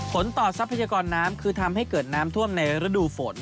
ผลต่อทรัพยากรน้ำคือทำให้เกิดน้ำท่วมในฤดูฝน